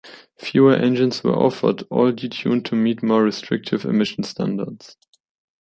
Fewer engines were offered, all detuned to meet more restrictive emission standards.